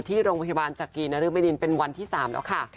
ที่โรงพยาบาลจักรีนริบดินเป็นวันที่๓แล้วค่ะ